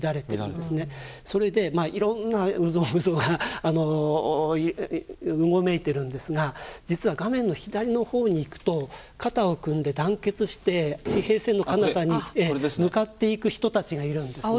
それでいろんな有象無象がうごめいてるんですが実は画面の左のほうにいくと肩を組んで団結して地平線のかなたに向かっていく人たちがいるんですね。